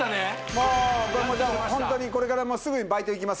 もうホントにこれからすぐにバイト行きます